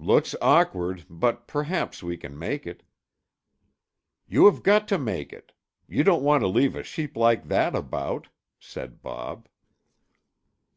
"Looks awkward, but perhaps we can make it." "You have got to make it! You don't want to leave a sheep like that about," said Bob.